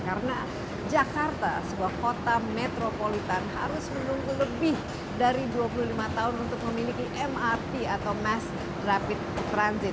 karena jakarta sebuah kota metropolitan harus menunggu lebih dari dua puluh lima tahun untuk memiliki mrt atau mass rapid transit